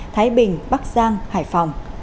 thái bình bắc giang hải phòng